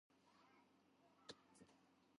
გეგმის დადგენა შეუძლებელია.